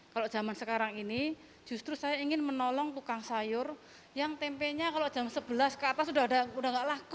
kalau zaman sekarang ini justru saya ingin menolong tukang sayur yang tempenya kalau jam sebelas ke atas sudah tidak laku